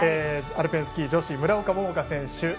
アルペンスキー女子村岡桃佳選手